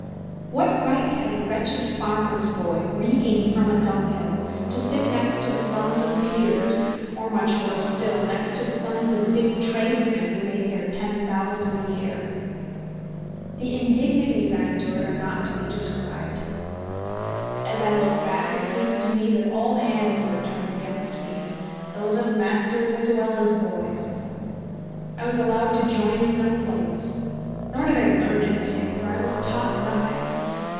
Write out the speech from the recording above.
What right had a wretched farmer's boy, reeking from a dunghill, to sit next to the sons of peers, or much worse still, next to the sons of big tradesmen who had made their ten thousand a year? The indignities I endured are not to be described. As I look back it seems to me that all hands were turned against me, those of masters as well as boys. I was allowed to join in no plays. Nor did I learn anything, for I was taught nothing.